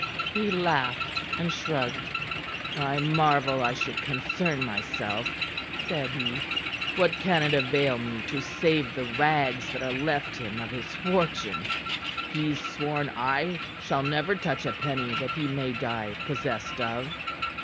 He laughed and shrugged. "I marvel I should concern myself," said he. "What can it avail me to save the rags that are left him of his fortune? He's sworn I shall never touch a penny that he may die possessed of."